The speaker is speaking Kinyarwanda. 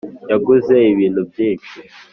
Yaguze ibintu byinshi